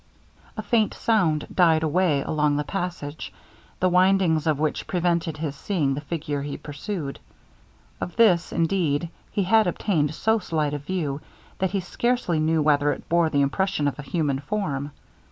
A faint sound died away along the passage, the windings of which prevented his seeing the figure he pursued. Of this, indeed, he had obtained so slight a view, that he scarcely knew whether it bore the impression of a human form.